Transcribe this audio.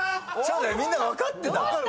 みんな分かってた？